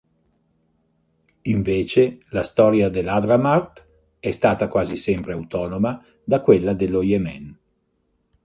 Invece la storia del Hadramawt è stata quasi sempre autonoma da quella dello Yemen.